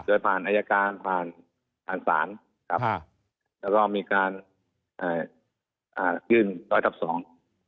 โดยผ่านอัยการผ่านสารแล้วก็มีการยื่นร้อยทับสอง